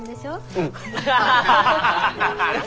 うん。